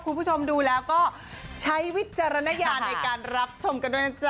คุณผู้ชมดูแล้วก็ใช้วิจารณญาณในการรับชมกันด้วยนะจ๊